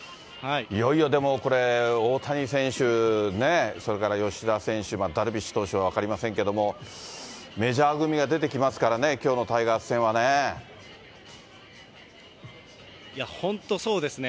いよいよ、これ、大谷選手、ね、それから吉田選手、ダルビッシュ投手は分かりませんけども、メジャー組が出てきますからね、いや、本当、そうですね。